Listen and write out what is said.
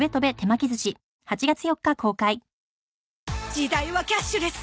時代はキャッシュレス